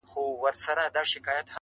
پر وړو لویو خبرو نه جوړېږي؛